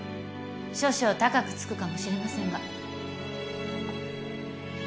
少々高くつくかもしれませんが。